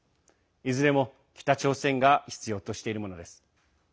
いずれも北朝鮮が必要としているものです。